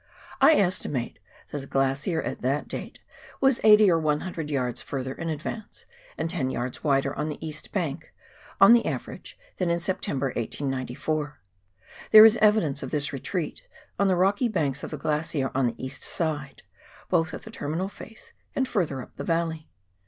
I estimate that the glacier at that date was 80 or 100 yards further in advance, and 10 yards wider on the east bank, on an average, than in September, 1894. There is evidence of this retreat on the rocky banks of the glacier on the east side, both at the terminal face and further up the valley.